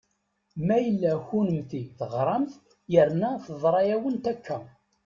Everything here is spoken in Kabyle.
Ma yella kunemti teɣramt yerna teḍra-yawent akka.